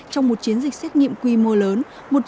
trong một chiến dịch xét nghiệm quy mô lớn